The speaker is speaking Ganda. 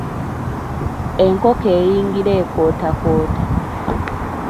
Enkoko eyingira ekootakoota.